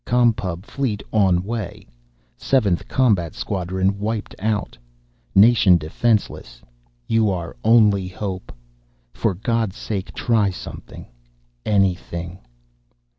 "Com Pub fleet on way. Seventh Combat Squadron wiped out. Nation defenseless. You are only hope. For God's sake try something. Anything."